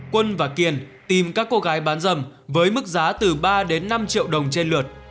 quân và kiên tìm các cô gái bán dâm với mức giá từ ba đến năm triệu đồng trên lượt